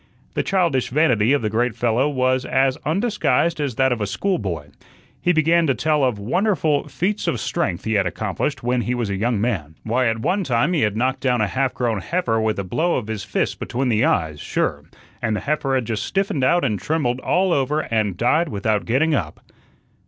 The childish vanity of the great fellow was as undisguised as that of a schoolboy. He began to tell of wonderful feats of strength he had accomplished when he was a young man. Why, at one time he had knocked down a half grown heifer with a blow of his fist between the eyes, sure, and the heifer had just stiffened out and trembled all over and died without getting up.